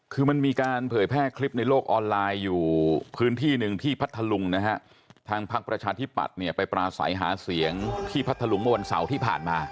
คือมันมีการเผยแพร่คลิปในโลกออนไลน์อยู่พื้นที่หนึ่งที่พัทธลุงนะฮะทางพักประชาธิปัตย์เนี่ยไปปราศัยหาเสียงที่พัทธลุงเมื่อวันเสาร์ที่ผ่านมา